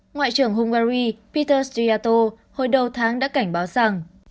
ngoại trưởng hungary peter sriato hồi đầu tháng đã cảnh báo rằng